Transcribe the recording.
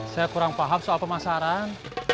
saya kurang paham soal pemasaran